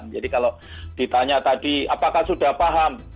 jadi kalau ditanya tadi apakah sudah paham